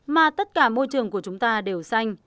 mà tất cả môi trường của chúng ta đều xanh